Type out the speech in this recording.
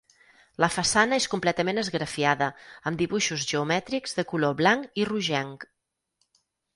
La façana és completament esgrafiada amb dibuixos geomètrics de color blanc i rogenc.